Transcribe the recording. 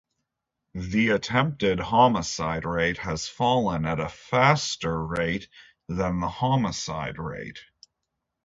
The attempted homicide rate has fallen at a faster rate than the homicide rate.